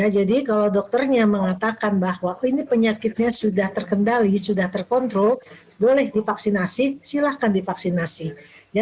jadi kalau dokternya mengatakan bahwa penyakitnya sudah terkendali sudah terkontrol boleh divaksinasi silakan divaksinasi